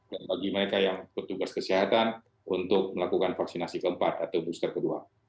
dan bagi mereka yang petugas kesehatan untuk melakukan vaksinasi keempat atau booster kedua